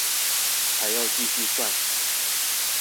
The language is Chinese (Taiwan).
還要繼續算